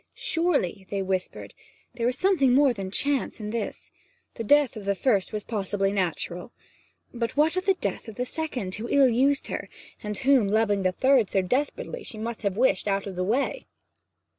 'Surely,' they whispered, 'there is something more than chance in this ... The death of the first was possibly natural; but what of the death of the second, who ill used her, and whom, loving the third so desperately, she must have wished out of the way?'